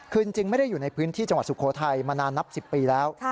คือจริงไม่ได้อยู่ในพื้นที่จังหวัดสุโขทัยมานานนับ๑๐ปีแล้ว